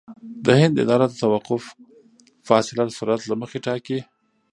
د هند اداره د توقف فاصله د سرعت له مخې ټاکي